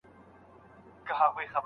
د پښتو ګرامر ډېره برخه په املا کي پټه ده.